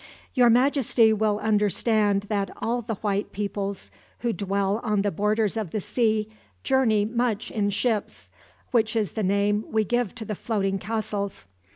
"Your Majesty will understand that all the white peoples who dwell on the borders of the sea journey much in ships, which is the name we give to the floating castles.